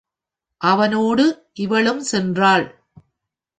அவனோடு இவளும் சென்றாள்.